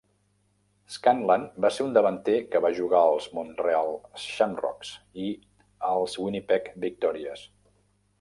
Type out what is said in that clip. Scanlan va ser un davanter que va jugar als Montreal Shamrocks i als Winnipeg Victorias.